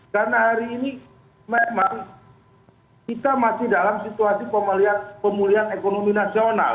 karena hari ini memang kita masih dalam situasi pemulihan ekonomi nasional